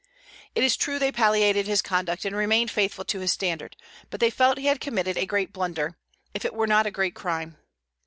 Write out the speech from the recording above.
It is true they palliated his conduct and remained faithful to his standard; but they felt he had committed a great blunder, if it were not a great crime.